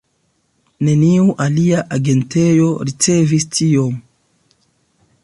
Neniu alia agentejo ricevis tiom.